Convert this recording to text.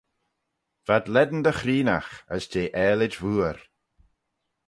V'ad lane dy chreenaght, as jeh aalid vooar.